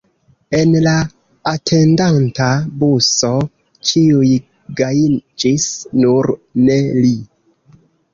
En la atendanta buso ĉiuj gajiĝis, nur ne li.